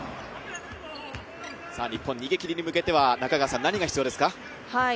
日本逃げ切りに向けては何が必要ですか？